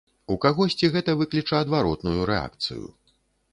У кагосьці гэта выкліча адваротную рэакцыю.